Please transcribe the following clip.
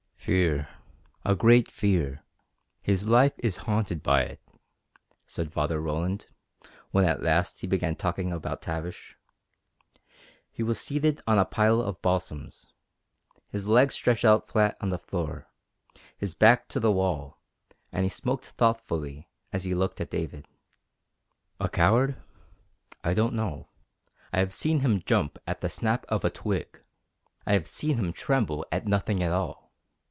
"Fear a great fear his life is haunted by it," said Father Roland, when at last he began talking about Tavish. He was seated on a pile of balsams, his legs stretched out flat on the floor, his back to the wall, and he smoked thoughtfully as he looked at David. "A coward? I don't know. I have seen him jump at the snap of a twig. I have seen him tremble at nothing at all.